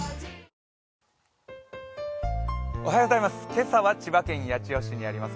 今朝は千葉県八千代市にあります